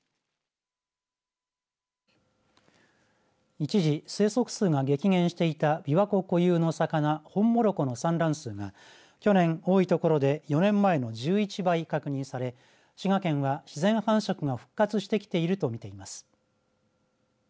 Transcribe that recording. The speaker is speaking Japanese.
一時生息数が激減していた琵琶湖固有の魚ホンモロコの産卵数が去年多い所で４年前の１１倍確認され滋賀県は自然繁殖が復活してきていると見ています。